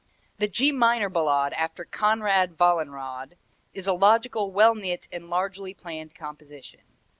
The G minor Ballade after "Konrad Wallenrod," is a logical, well knit and largely planned composition.